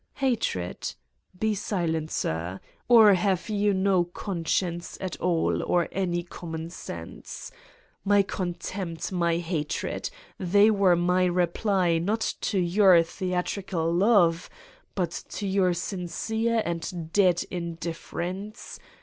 "Hatred! Be silent, sir. Or have you no con science at all or any common sense? My con tempt ! My hatred ! They were my reply, not to your theatrical lov e, but to your sincere and dead indifference.